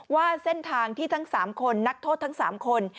ว่าเส้นทางที่ทั้ง๓คนนักโทษทั้ง๓คน